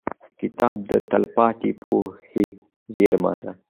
• کتاب د تلپاتې پوهې زېرمه ده.